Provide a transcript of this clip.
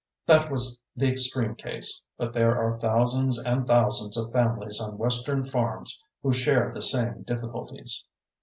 That was the extreme case, but there are thousands and thousands of families on Western farms who share the same difficulties.